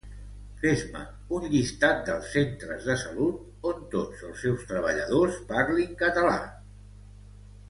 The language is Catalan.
Fes-me un llistat dels centres de salut on tots els seus treballadors parlin català